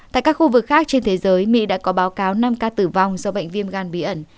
tại các khu vực khác trên thế giới mỹ đã có báo cáo năm ca tử vong do bệnh viêm gan bí ẩn